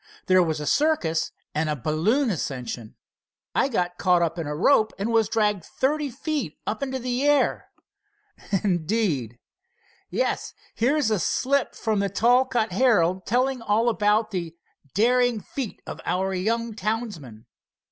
There was a circus and a balloon ascension. I got caught in a rope and was dragged thirty feet up into the air." "Indeed?" "Yes. Here, there's a slip from the Talcott Herald, telling all about 'the daring feat of our young townsman.